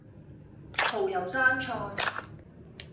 蠔油生菜